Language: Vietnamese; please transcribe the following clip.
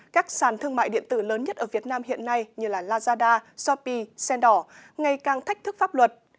các sàn thương mại điện tử lớn nhất ở việt nam hiện nay như lazada shopee sendor ngày càng thách thức pháp luật